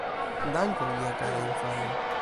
Dankon. Mia kara infano